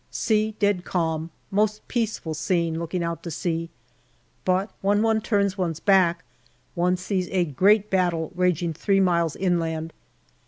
Sea dead calm : most peaceful scene, looking out to sea, but when one turns one's back one sees a great battle raging three miles inland.